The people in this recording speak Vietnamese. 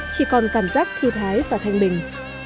chỉ còn cảm giác thi thái và thanh bình